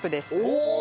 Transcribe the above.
おお！